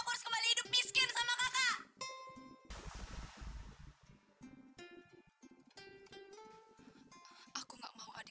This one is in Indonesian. eh kamu nih kesayangannya tante